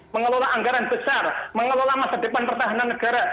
mengelola anggaran besar mengelola masa depan pertahanan negara